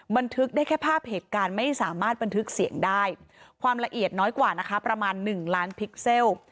บันทึกได้แค่ภาพเหตุการณ์ไม่สามารถบันทึกเสียงได้ความละเอียดน้อยกว่านะคะประมาณ๑ล้านพิกเซล